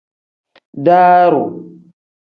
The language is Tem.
Daaru.